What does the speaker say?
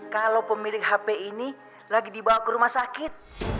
kalau pemilik hp ini lagi dibawa ke rumah sakit